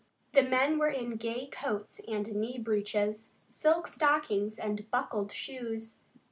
The men were in gay coats and knee breeches, silk stockings and buckled shoes.